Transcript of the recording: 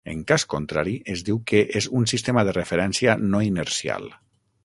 En cas contrari, es diu que és un sistema de referència no inercial.